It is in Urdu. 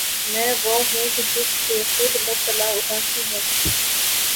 میں وہ ہوں جس میں کہ خود مبتلا اُداسی ہے